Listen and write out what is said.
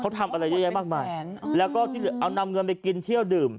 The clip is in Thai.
เขาทำอะไรเยอะแยะมากมากแล้วก็เอานำเงินไปกินที่ดู